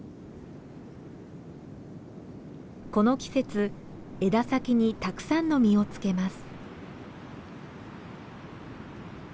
この季節枝先にたくさんの実をつけます。